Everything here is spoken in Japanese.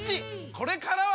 これからは！